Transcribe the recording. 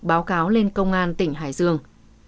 báo cáo lên công an tỉnh hải dương